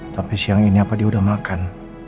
tapi siang ini apa dia udah makan